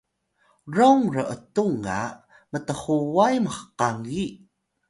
rom r’tung ga mthuway mhkangi